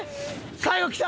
最後きた？